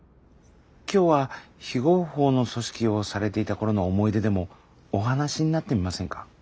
今日は非合法の組織をされていた頃の思い出でもお話しになってみませんか？